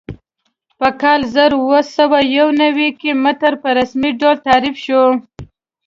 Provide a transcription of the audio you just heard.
په کال زر اووه سوه یو نوي کې متر په رسمي ډول تعریف شوی.